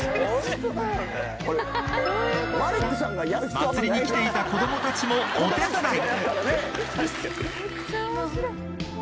祭りに来ていた子供たちもお手伝い